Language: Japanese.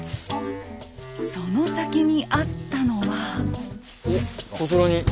その先にあったのは。